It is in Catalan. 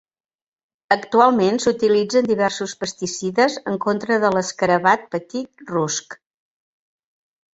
Actualment s'utilitzen diversos pesticides en contra de l'escarabat petit rusc.